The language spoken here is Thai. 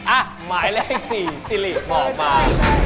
อ่ะหมายแรก๔ซีลีบอกมา